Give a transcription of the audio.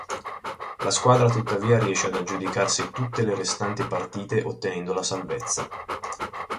La squadra tuttavia riesce ad aggiudicarsi tutte le restanti partite ottenendo la salvezza.